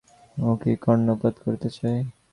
ও কি কর্ণপাত করিতে চায়!